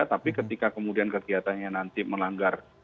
tapi ketika kemudian kegiatannya nanti melanggar